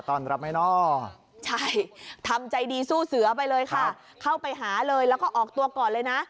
ตอนรับไหมเนาะใช่ทำใจดีสู้เสือไปเลยค่ะเข้าไปหาเลยแล้วก็ออกตัวก่อนเลยนะ